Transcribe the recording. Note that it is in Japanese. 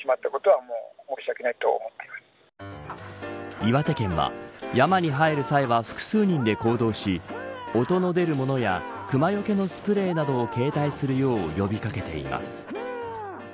岩手県は山に入る際は複数人で行動し音の出るものやクマよけのスプレーなどを携帯するよう呼び掛けています。